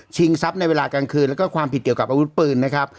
ทรัพย์ในเวลากลางคืนแล้วก็ความผิดเกี่ยวกับอาวุธปืนนะครับ